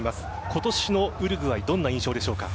今年のウルグアイどんな印象でしょうか？